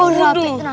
oh rapi tenang